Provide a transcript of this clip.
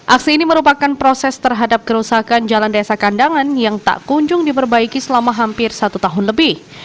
aksi ini merupakan proses terhadap kerusakan jalan desa kandangan yang tak kunjung diperbaiki selama hampir satu tahun lebih